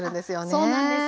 あっそうなんです。